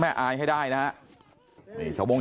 ชาวบ้านในพื้นที่บอกว่าปกติผู้ตายเขาก็อยู่กับสามีแล้วก็ลูกสองคนนะฮะ